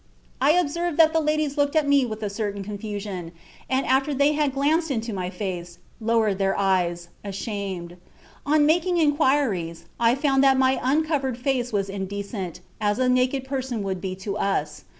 "I observed that the ladies looked at me with a certain confusion, and after they had glanced into my face, lowered their eyes, ashamed. On making inquiries, I found that my uncovered face was indecent, as a naked person would be to us.